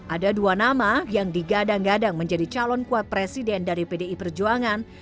ada dua nama yang digadang gadang menjadi calon kuat presiden dari pdi perjuangan